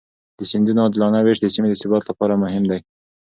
د سیندونو عادلانه وېش د سیمې د ثبات لپاره مهم دی.